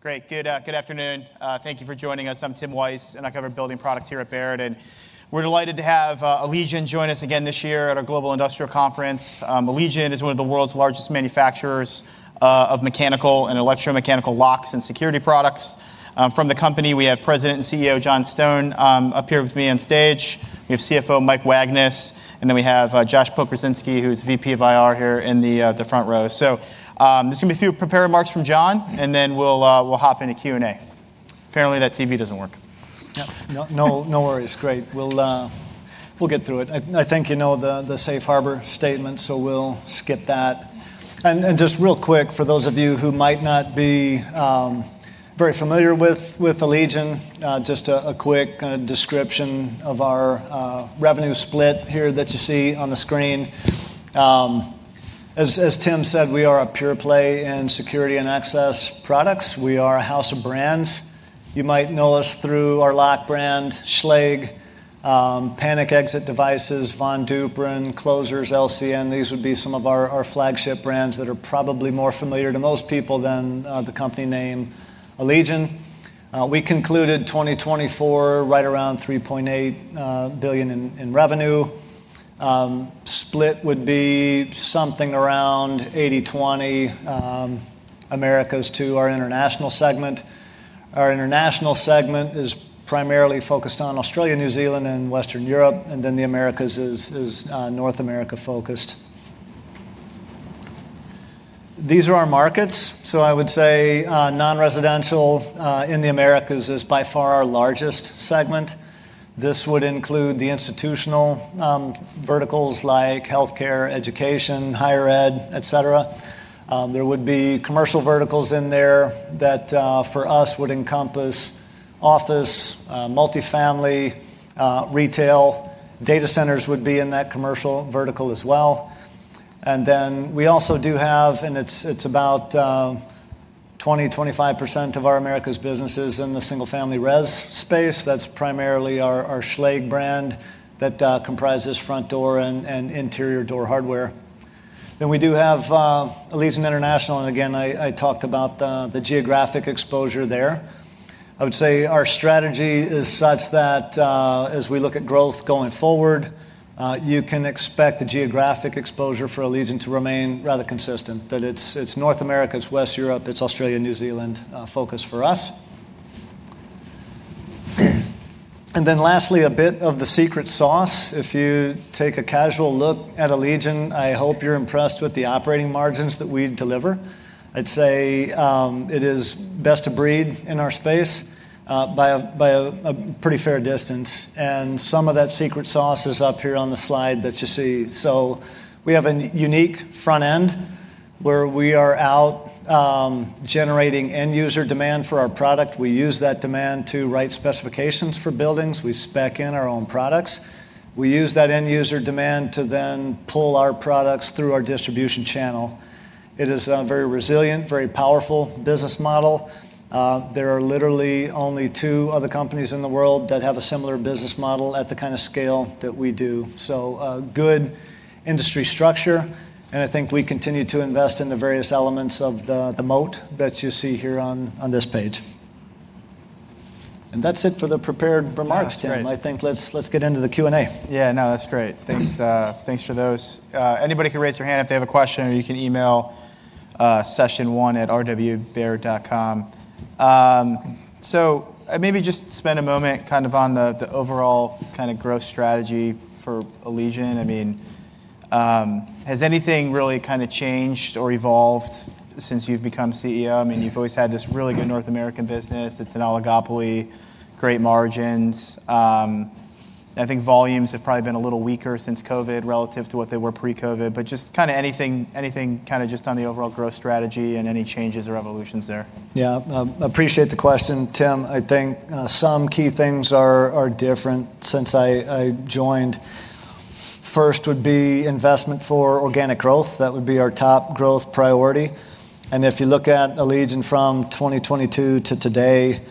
Great. Good afternoon. Thank you for joining us. I'm Tim Wojs, and I cover building products here at Baird. We are delighted to have Allegion join us again this year at our Global Industrial Conference. Allegion is one of the world's largest manufacturers of mechanical and electromechanical locks and security products. From the company, we have President and CEO John Stone up here with me on stage. We have CFO Mike Wagnes, and then we have Josh Pokrzywski, who is VP of IR here in the front row. There is going to be a few prepared remarks from John, and then we will hop into Q&A. Apparently, that TV does not work. No worries. Great. We'll get through it. I think you know the safe harbor statement, so we'll skip that. And just real quick, for those of you who might not be very familiar with Allegion, just a quick description of our revenue split here that you see on the screen. As Tim said, we are a pure play in security and access products. We are a house of brands. You might know us through our lock brand, Schlage; Panic Exit Devices, Von Duprin, Closers, LCN. These would be some of our flagship brands that are probably more familiar to most people than the company name, Allegion. We concluded 2024 right around $3.8 billion in revenue. Split would be something around 80/20 Americas to our international segment. Our international segment is primarily focused on Australia, New Zealand, and Western Europe, and then the Americas is North America focused. These are our markets. I would say non-residential in the Americas is by far our largest segment. This would include the institutional verticals like health care, education, higher ed, et cetera. There would be commercial verticals in there that, for us, would encompass office, multifamily, retail. Data centers would be in that commercial vertical as well. We also do have, and it's about 20%-25% of our Americas business, in the single-family res space. That's primarily our Schlage brand that comprises front door and interior door hardware. We do have Allegion International, and again, I talked about the geographic exposure there. I would say our strategy is such that as we look at growth going forward, you can expect the geographic exposure for Allegion to remain rather consistent, that it's North America, it's Western Europe, it's Australia and New Zealand focus for us. Lastly, a bit of the secret sauce. If you take a casual look at Allegion, I hope you're impressed with the operating margins that we deliver. I'd say it is best to breed in our space by a pretty fair distance. Some of that secret sauce is up here on the slide that you see. We have a unique front end where we are out generating end user demand for our product. We use that demand to write specifications for buildings. We spec in our own products. We use that end user demand to then pull our products through our distribution channel. It is a very resilient, very powerful business model. There are literally only two other companies in the world that have a similar business model at the kind of scale that we do. Good industry structure. I think we continue to invest in the various elements of the moat that you see here on this page. That is it for the prepared remarks, Tim. I think let's get into the Q&A. Yeah, no, that's great. Thanks for those. Anybody can raise their hand if they have a question, or you can email session1@rwbaird.com. Maybe just spend a moment kind of on the overall kind of growth strategy for Allegion. I mean, has anything really kind of changed or evolved since you've become CEO? I mean, you've always had this really good North American business. It's an oligopoly, great margins. I think volumes have probably been a little weaker since COVID relative to what they were pre-COVID. Just kind of anything kind of just on the overall growth strategy and any changes or evolutions there. Yeah, appreciate the question. Tim, I think some key things are different since I joined. First would be investment for organic growth. That would be our top growth priority. If you look at Allegion from 2022 to today,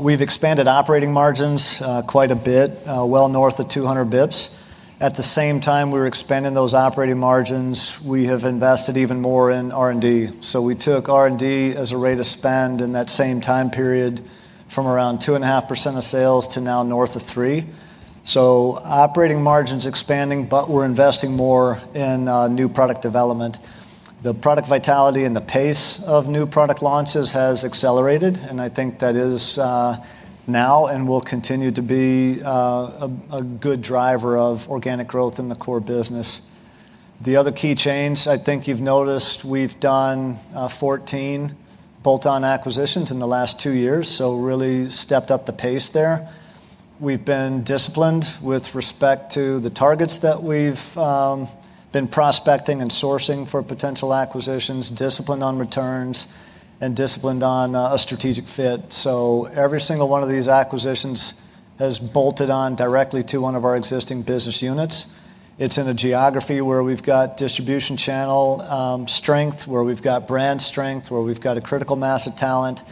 we have expanded operating margins quite a bit, well north of 200 basis points. At the same time we were expanding those operating margins, we have invested even more in R&D. We took R&D as a rate of spend in that same time period from around 2.5% of sales to now north of 3%. Operating margins expanding, but we are investing more in new product development. The product vitality and the pace of new product launches has accelerated, and I think that is now and will continue to be a good driver of organic growth in the core business. The other key change, I think you've noticed, we've done 14 bolt-on acquisitions in the last two years, so really stepped up the pace there. We've been disciplined with respect to the targets that we've been prospecting and sourcing for potential acquisitions, disciplined on returns, and disciplined on a strategic fit. Every single one of these acquisitions has bolted on directly to one of our existing business units. It's in a geography where we've got distribution channel strength, where we've got brand strength, where we've got a critical mass of talent.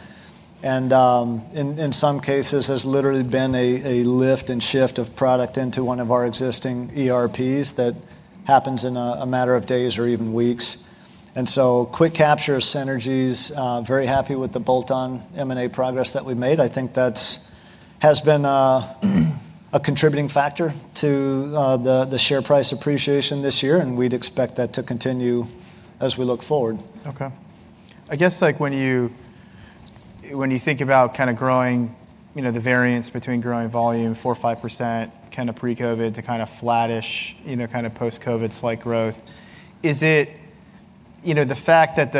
In some cases, there's literally been a lift and shift of product into one of our existing ERPs that happens in a matter of days or even weeks. Quick capture of synergies, very happy with the bolt-on M&A progress that we've made. I think that has been a contributing factor to the share price appreciation this year, and we'd expect that to continue as we look forward. OK. I guess when you think about kind of growing the variance between growing volume 4%-5% kind of pre-COVID to kind of flattish kind of post-COVID slight growth, is it the fact that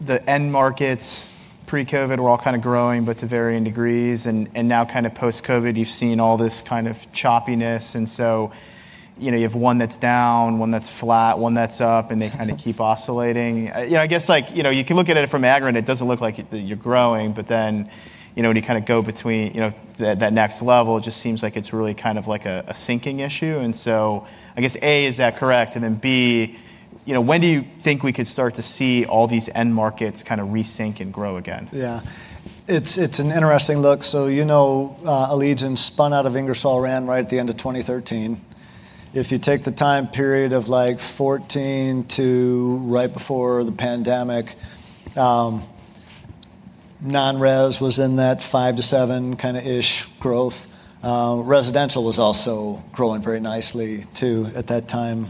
the end markets pre-COVID were all kind of growing, but to varying degrees, and now kind of post-COVID you've seen all this kind of choppiness? You have one that's down, one that's flat, one that's up, and they kind of keep oscillating. I guess you can look at it from aggro, and it does not look like you're growing, but then when you kind of go between that next level, it just seems like it's really kind of like a sinking issue. I guess, A, is that correct? Then B, when do you think we could start to see all these end markets kind of resync and grow again? Yeah, it's an interesting look. You know Allegion spun out of Ingersoll Rand right at the end of 2013. If you take the time period of like 2014 to right before the pandemic, non-res was in that 5%-7% kind of-ish growth. Residential was also growing very nicely too at that time.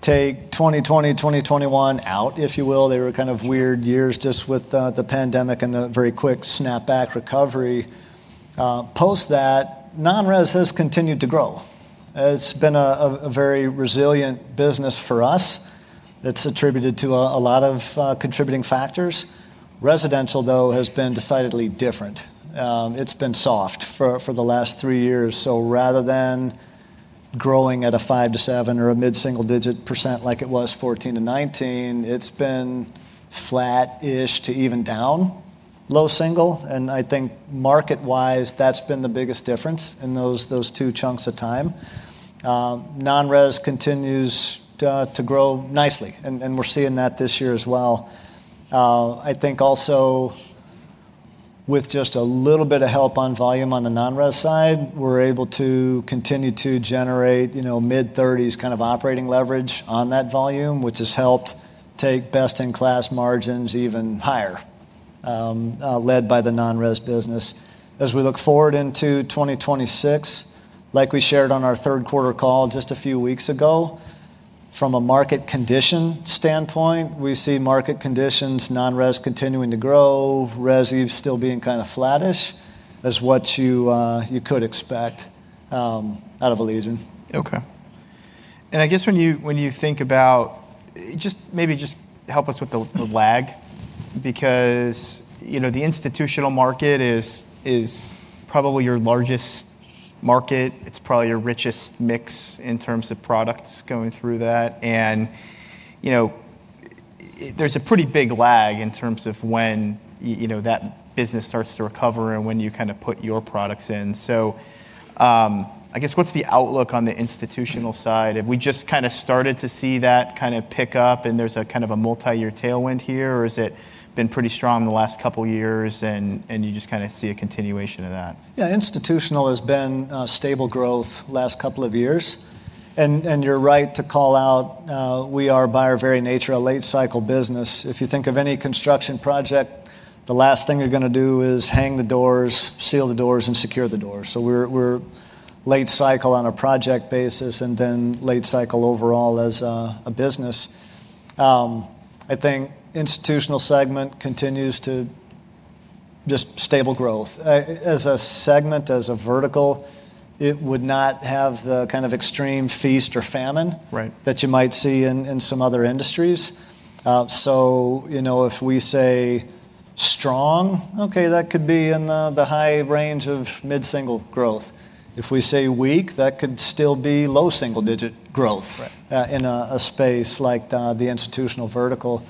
Take 2020, 2021 out, if you will, they were kind of weird years just with the pandemic and the very quick snapback recovery. Post that, non-res has continued to grow. It's been a very resilient business for us. It's attributed to a lot of contributing factors. Residential, though, has been decidedly different. It's been soft for the last three years. Rather than growing at a 5%-7% or a mid-single digit percent like it was 2014 to 2019, it's been flat-ish to even down, low single. I think market-wise, that's been the biggest difference in those two chunks of time. Non-res continues to grow nicely, and we're seeing that this year as well. I think also with just a little bit of help on volume on the non-res side, we're able to continue to generate mid-30s kind of operating leverage on that volume, which has helped take best-in-class margins even higher, led by the non-res business. As we look forward into 2026, like we shared on our third quarter call just a few weeks ago, from a market condition standpoint, we see market conditions, non-res continuing to grow, res even still being kind of flattish, is what you could expect out of Allegion. OK. I guess when you think about just maybe just help us with the lag, because the institutional market is probably your largest market. It's probably your richest mix in terms of products going through that. There's a pretty big lag in terms of when that business starts to recover and when you kind of put your products in. I guess what's the outlook on the institutional side? Have we just kind of started to see that kind of pick up, and there's a kind of a multi-year tailwind here, or has it been pretty strong in the last couple of years, and you just kind of see a continuation of that? Yeah, institutional has been stable growth the last couple of years. You're right to call out we are, by our very nature, a late-cycle business. If you think of any construction project, the last thing you're going to do is hang the doors, seal the doors, and secure the doors. We're late-cycle on a project basis and then late-cycle overall as a business. I think institutional segment continues to just stable growth. As a segment, as a vertical, it would not have the kind of extreme feast or famine that you might see in some other industries. If we say strong, OK, that could be in the high range of mid-single growth. If we say weak, that could still be low single digit growth in a space like the institutional vertical. If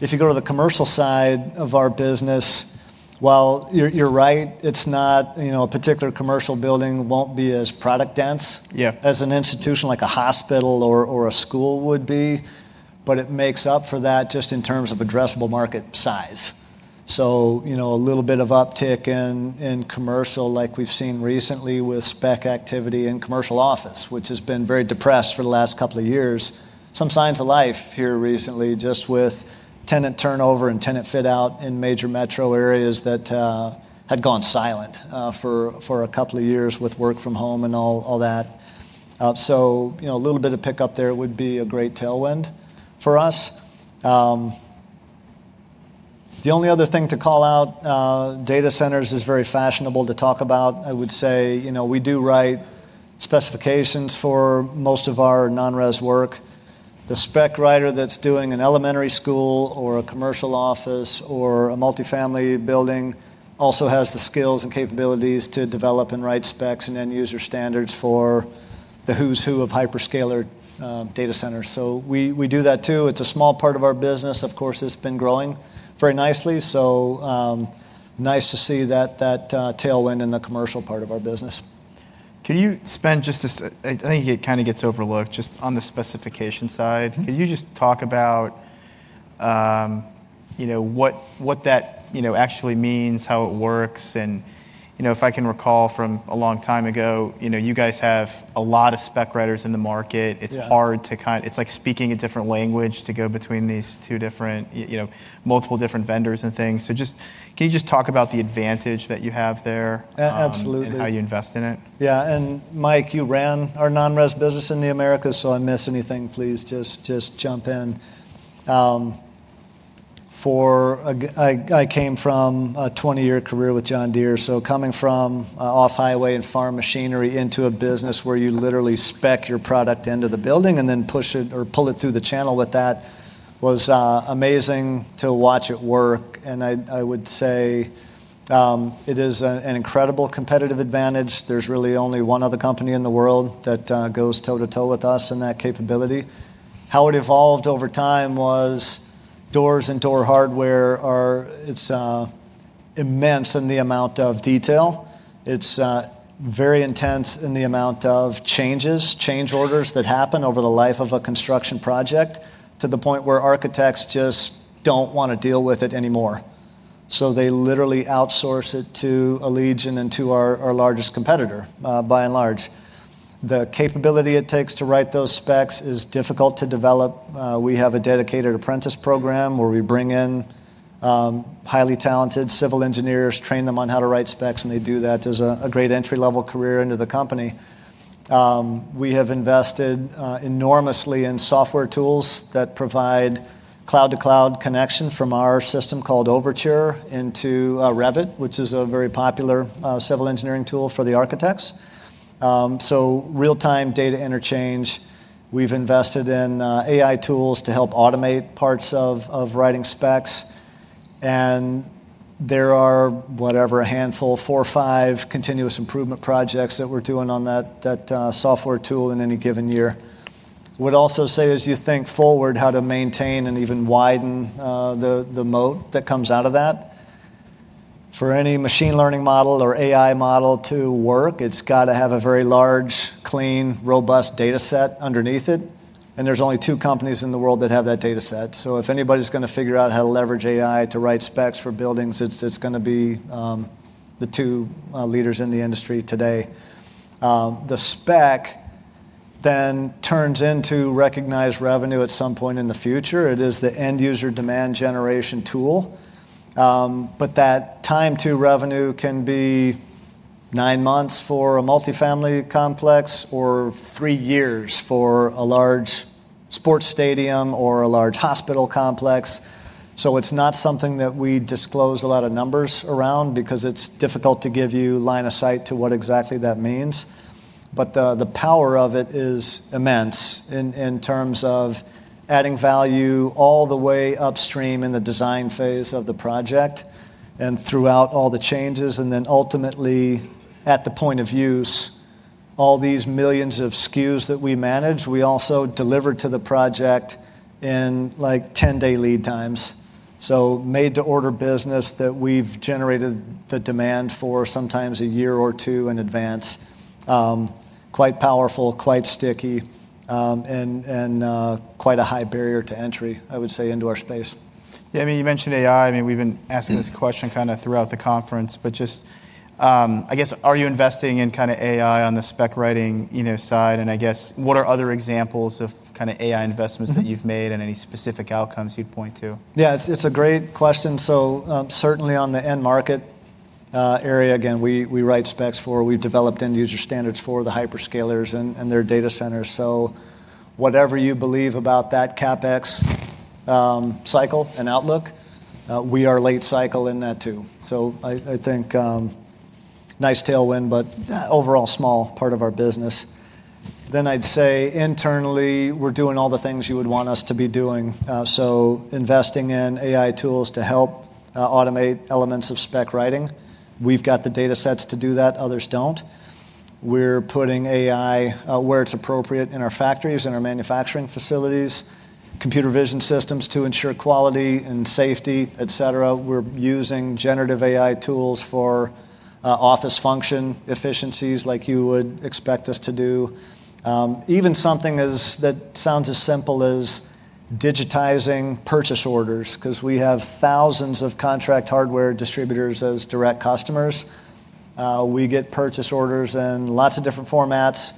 you go to the commercial side of our business, while you're right, it's not a particular commercial building won't be as product dense as an institution like a hospital or a school would be, but it makes up for that just in terms of addressable market size. A little bit of uptick in commercial like we've seen recently with spec activity in commercial office, which has been very depressed for the last couple of years. Some signs of life here recently just with tenant turnover and tenant fit out in major metro areas that had gone silent for a couple of years with work from home and all that. A little bit of pickup there would be a great tailwind for us. The only other thing to call out, data centers is very fashionable to talk about. I would say we do write specifications for most of our non-res work. The spec writer that's doing an elementary school or a commercial office or a multifamily building also has the skills and capabilities to develop and write specs and end user standards for the who's who of hyperscaler data centers. We do that too. It's a small part of our business. Of course, it's been growing very nicely. Nice to see that tailwind in the commercial part of our business. Can you spend just a, I think it kind of gets overlooked just on the specification side. Can you just talk about what that actually means, how it works? And if I can recall from a long time ago, you guys have a lot of spec writers in the market. It's hard to kind of, it's like speaking a different language to go between these two different, multiple different vendors and things. So just can you just talk about the advantage that you have there and how you invest in it? Yeah, and Mike, you ran our non-res business in the Americas, so if I miss anything, please just jump in. I came from a 20-year career with John Deere. Coming from off-highway and farm machinery into a business where you literally spec your product into the building and then push it or pull it through the channel with that was amazing to watch it work. I would say it is an incredible competitive advantage. There is really only one other company in the world that goes toe to toe with us in that capability. How it evolved over time was doors and door hardware are immense in the amount of detail. It is very intense in the amount of changes, change orders that happen over the life of a construction project to the point where architects just do not want to deal with it anymore. They literally outsource it to Allegion and to our largest competitor by and large. The capability it takes to write those specs is difficult to develop. We have a dedicated apprentice program where we bring in highly talented civil engineers, train them on how to write specs, and they do that as a great entry-level career into the company. We have invested enormously in software tools that provide cloud-to-cloud connection from our system called Overtur into Revit, which is a very popular civil engineering tool for the architects. Real-time data interchange. We have invested in AI tools to help automate parts of writing specs. There are, whatever, a handful, four or five continuous improvement projects that we are doing on that software tool in any given year. I would also say as you think forward how to maintain and even widen the moat that comes out of that. For any machine learning model or AI model to work, it's got to have a very large, clean, robust data set underneath it. There are only two companies in the world that have that data set. If anybody's going to figure out how to leverage AI to write specs for buildings, it's going to be the two leaders in the industry today. The spec then turns into recognized revenue at some point in the future. It is the end user demand generation tool. That time to revenue can be nine months for a multifamily complex or three years for a large sports stadium or a large hospital complex. It is not something that we disclose a lot of numbers around because it's difficult to give you line of sight to what exactly that means. The power of it is immense in terms of adding value all the way upstream in the design phase of the project and throughout all the changes. Ultimately at the point of use, all these millions of SKUs that we manage, we also deliver to the project in like 10-day lead times. Made-to-order business that we've generated the demand for sometimes a year or two in advance. Quite powerful, quite sticky, and quite a high barrier to entry, I would say, into our space. Yeah, I mean, you mentioned AI. I mean, we've been asking this question kind of throughout the conference. Just, I guess, are you investing in kind of AI on the spec writing side? I guess, what are other examples of kind of AI investments that you've made and any specific outcomes you'd point to? Yeah, it's a great question. Certainly on the end market area, again, we write specs for. We've developed end user standards for the hyperscalers and their data centers. Whatever you believe about that CapEx cycle and outlook, we are late cycle in that too. I think nice tailwind, but overall small part of our business. I'd say internally, we're doing all the things you would want us to be doing. Investing in AI tools to help automate elements of spec writing. We've got the data sets to do that. Others don't. We're putting AI where it's appropriate in our factories and our manufacturing facilities, computer vision systems to ensure quality and safety, et cetera. We're using generative AI tools for office function efficiencies like you would expect us to do. Even something that sounds as simple as digitizing purchase orders, because we have thousands of contract hardware distributors as direct customers. We get purchase orders in lots of different formats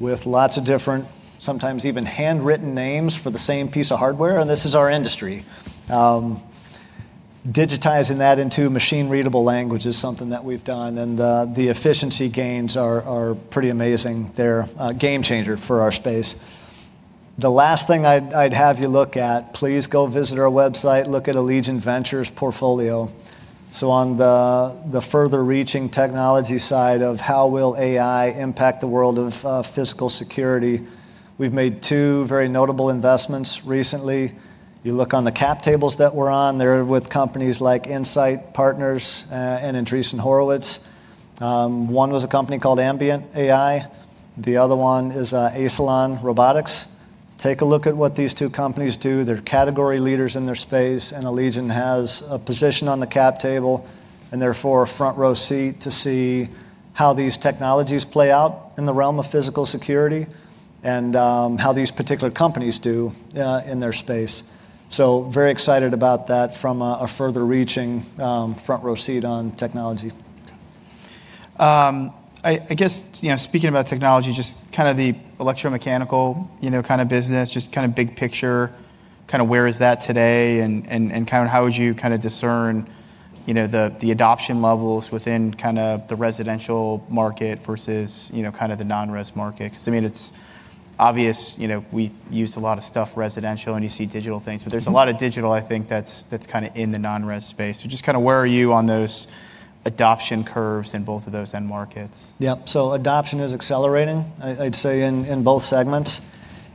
with lots of different, sometimes even handwritten names for the same piece of hardware. This is our industry. Digitizing that into machine-readable language is something that we've done. The efficiency gains are pretty amazing. They're a game changer for our space. The last thing I'd have you look at, please go visit our website, look at Allegion Ventures portfolio. On the further reaching technology side of how will AI impact the world of physical security, we've made two very notable investments recently. You look on the cap tables that we're on, they're with companies like Insight Partners and Andreessen Horowitz. One was a company called Ambient AI. The other one is Asilon Robotics. Take a look at what these two companies do. They are category leaders in their space. Allegion has a position on the cap table and therefore a front row seat to see how these technologies play out in the realm of physical security and how these particular companies do in their space. Very excited about that from a further reaching front row seat on technology. I guess speaking about technology, just kind of the electromechanical kind of business, just kind of big picture, kind of where is that today? And kind of how would you kind of discern the adoption levels within kind of the residential market versus kind of the non-res market? Because I mean, it's obvious we use a lot of stuff residential and you see digital things. But there's a lot of digital, I think, that's kind of in the non-res space. So just kind of where are you on those adoption curves in both of those end markets? Yeah, adoption is accelerating, I'd say, in both segments.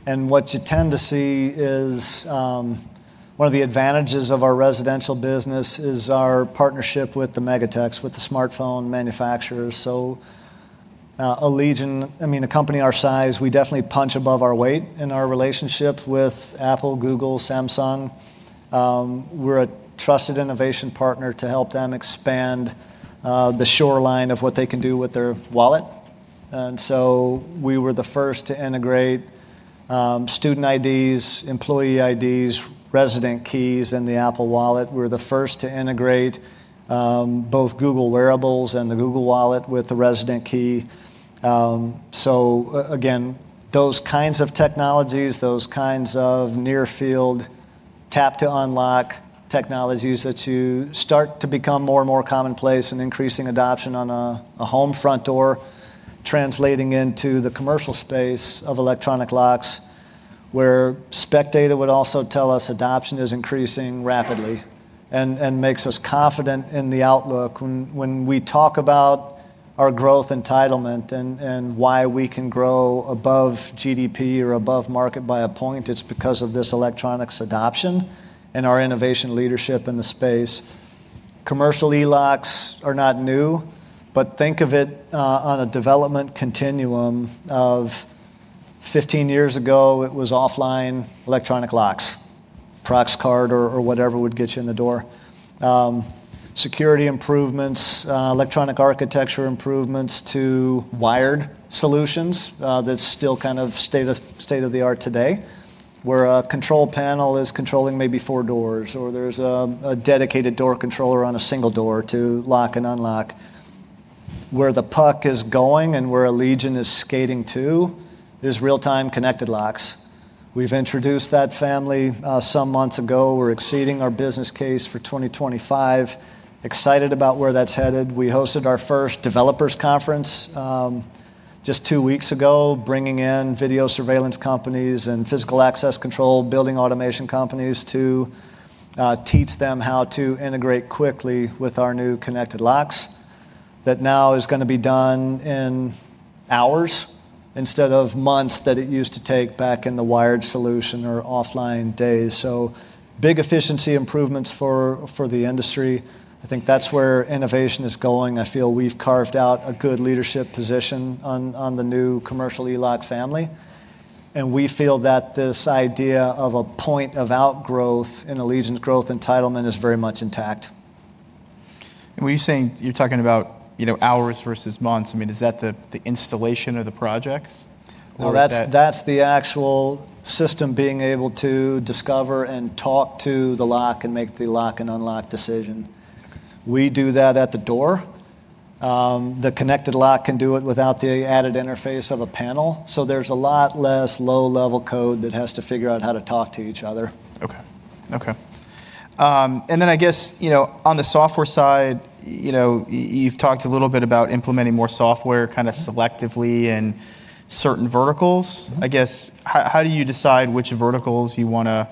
What you tend to see is one of the advantages of our residential business is our partnership with the Megatex, with the smartphone manufacturers. Allegion, I mean, a company our size, we definitely punch above our weight in our relationship with Apple, Google, Samsung. We're a trusted innovation partner to help them expand the shoreline of what they can do with their wallet. We were the first to integrate student IDs, employee IDs, resident keys in the Apple Wallet. We're the first to integrate both Google Wearables and the Google Wallet with the resident key. Again, those kinds of technologies, those kinds of near-field tap-to-unlock technologies that you start to become more and more commonplace and increasing adoption on a home front door, translating into the commercial space of electronic locks, where spec data would also tell us adoption is increasing rapidly and makes us confident in the outlook. When we talk about our growth entitlement and why we can grow above GDP or above market by a point, it is because of this electronics adoption and our innovation leadership in the space. Commercial e-locks are not new, but think of it on a development continuum of 15 years ago, it was offline electronic locks, Proxcard or whatever would get you in the door. Security improvements, electronic architecture improvements to wired solutions that still kind of stay the state of the art today, where a control panel is controlling maybe four doors or there is a dedicated door controller on a single door to lock and unlock. Where the puck is going and where Allegion is skating to is real-time connected locks. We have introduced that family some months ago. We are exceeding our business case for 2025. Excited about where that is headed. We hosted our first developers conference just two weeks ago, bringing in video surveillance companies and physical access control building automation companies to teach them how to integrate quickly with our new connected locks. That now is going to be done in hours instead of months that it used to take back in the wired solution or offline days. Big efficiency improvements for the industry. I think that is where innovation is going. I feel we've carved out a good leadership position on the new commercial e-lock family. We feel that this idea of a point of outgrowth in Allegion's growth entitlement is very much intact. When you're saying you're talking about hours versus months, I mean, is that the installation of the projects? No, that's the actual system being able to discover and talk to the lock and make the lock and unlock decision. We do that at the door. The connected lock can do it without the added interface of a panel. There is a lot less low-level code that has to figure out how to talk to each other. OK, OK. I guess on the software side, you've talked a little bit about implementing more software kind of selectively in certain verticals. I guess how do you decide which verticals you want to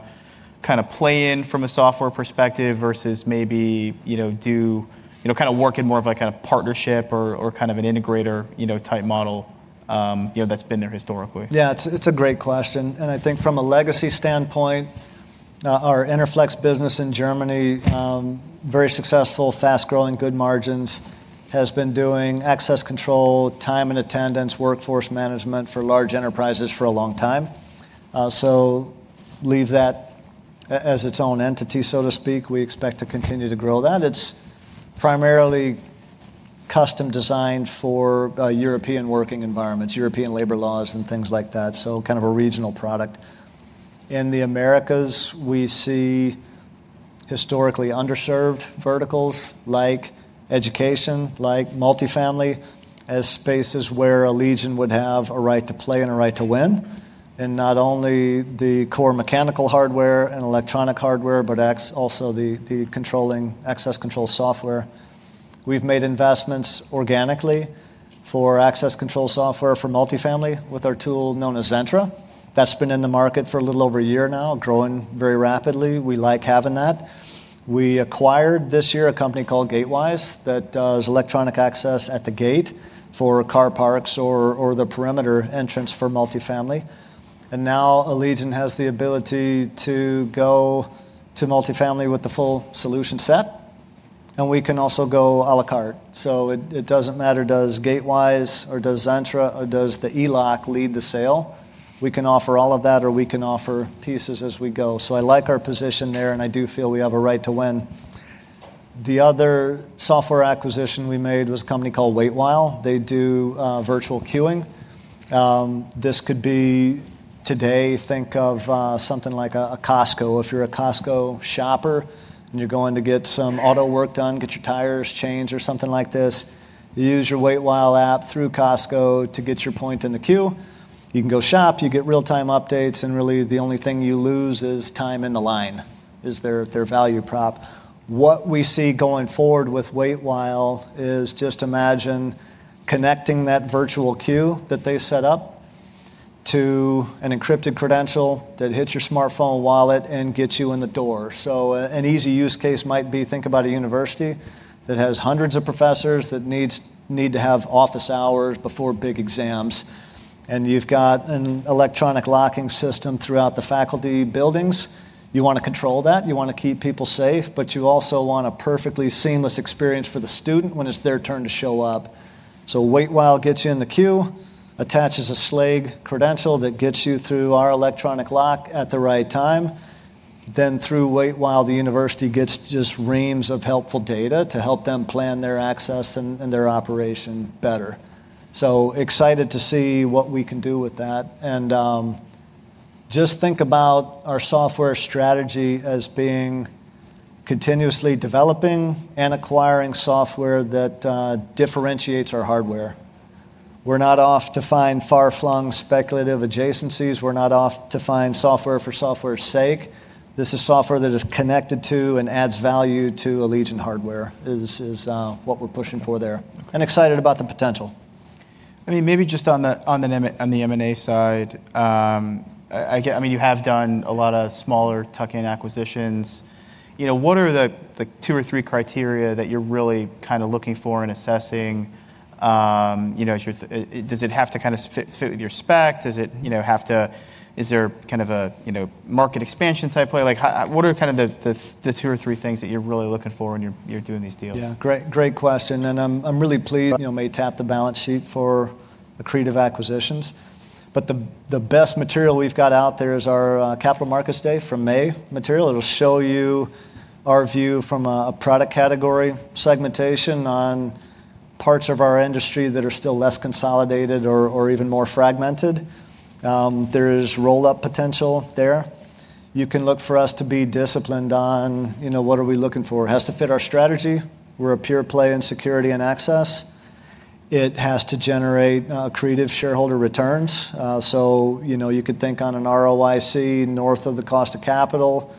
kind of play in from a software perspective versus maybe do kind of work in more of a kind of partnership or kind of an integrator type model that's been there historically? Yeah, it's a great question. I think from a legacy standpoint, our Interflex business in Germany, very successful, fast growing, good margins, has been doing access control, time and attendance, workforce management for large enterprises for a long time. Leave that as its own entity, so to speak. We expect to continue to grow that. It's primarily custom designed for European working environments, European labor laws, and things like that. Kind of a regional product. In the Americas, we see historically underserved verticals like education, like multifamily as spaces where Allegion would have a right to play and a right to win. Not only the core mechanical hardware and electronic hardware, but also the controlling access control software. We've made investments organically for access control software for multifamily with our tool known as Zentra. That's been in the market for a little over a year now, growing very rapidly. We like having that. We acquired this year a company called Gatewise that does electronic access at the gate for car parks or the perimeter entrance for multifamily. Now Allegion has the ability to go to multifamily with the full solution set. We can also go à la carte. It does not matter does Gatewise or does Zentra or does the e-lock lead the sale. We can offer all of that or we can offer pieces as we go. I like our position there. I do feel we have a right to win. The other software acquisition we made was a company called Waitwhile. They do virtual queuing. This could be today, think of something like a Costco. If you're a Costco shopper and you're going to get some auto work done, get your tires changed or something like this, you use your Waitwhile app through Costco to get your point in the queue. You can go shop, you get real-time updates. Really, the only thing you lose is time in the line is their value prop. What we see going forward with Waitwhile is just imagine connecting that virtual queue that they set up to an encrypted credential that hits your smartphone wallet and gets you in the door. An easy use case might be think about a university that has hundreds of professors that need to have office hours before big exams. You've got an electronic locking system throughout the faculty buildings. You want to control that. You want to keep people safe. You also want a perfectly seamless experience for the student when it's their turn to show up. Waitwhile gets you in the queue, attaches a Schlage credential that gets you through our electronic lock at the right time. Through Waitwhile, the university gets just reams of helpful data to help them plan their access and their operation better. Excited to see what we can do with that. Just think about our software strategy as being continuously developing and acquiring software that differentiates our hardware. We're not off to find far-flung speculative adjacencies. We're not off to find software for software's sake. This is software that is connected to and adds value to Allegion hardware, which is what we're pushing for there. Excited about the potential. I mean, maybe just on the M&A side, I mean, you have done a lot of smaller tuck-in acquisitions. What are the two or three criteria that you're really kind of looking for and assessing? Does it have to kind of fit with your spec? Does it have to, is there kind of a market expansion type play? What are kind of the two or three things that you're really looking for when you're doing these deals? Yeah, great question. I'm really pleased. May tap the balance sheet for accretive acquisitions. The best material we've got out there is our Capital Markets Day from May material. It'll show you our view from a product category segmentation on parts of our industry that are still less consolidated or even more fragmented. There is roll-up potential there. You can look for us to be disciplined on what are we looking for. It has to fit our strategy. We're a pure play in security and access. It has to generate accretive shareholder returns. You could think on an ROIC north of the cost of capital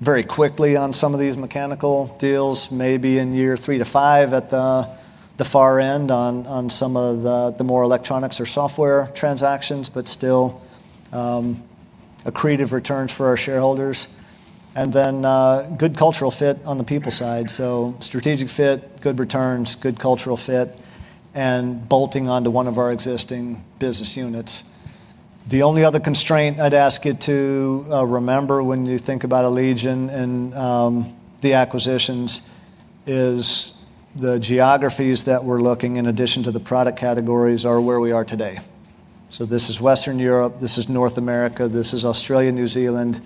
very quickly on some of these mechanical deals, maybe in year three to five at the far end on some of the more electronics or software transactions, but still accretive returns for our shareholders. Good cultural fit on the people side. Strategic fit, good returns, good cultural fit, and bolting onto one of our existing business units. The only other constraint I'd ask you to remember when you think about Allegion and the acquisitions is the geographies that we're looking in addition to the product categories are where we are today. This is Western Europe. This is North America. This is Australia, New Zealand.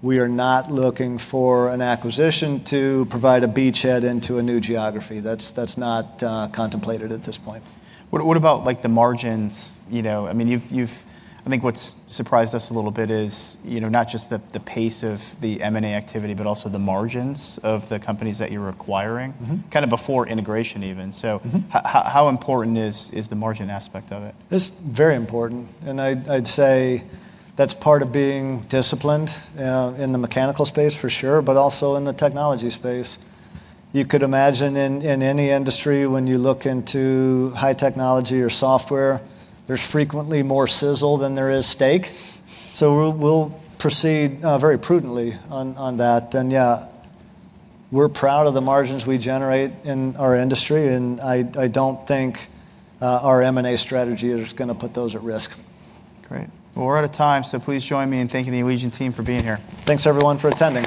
We are not looking for an acquisition to provide a beachhead into a new geography. That's not contemplated at this point. What about the margins? I mean, I think what's surprised us a little bit is not just the pace of the M&A activity, but also the margins of the companies that you're acquiring kind of before integration even. How important is the margin aspect of it? It's very important. I'd say that's part of being disciplined in the mechanical space for sure, but also in the technology space. You could imagine in any industry when you look into high technology or software, there's frequently more sizzle than there is steak. We'll proceed very prudently on that. Yeah, we're proud of the margins we generate in our industry. I don't think our M&A strategy is going to put those at risk. Great. We are out of time. Please join me in thanking the Allegion team for being here. Thanks, everyone, for attending.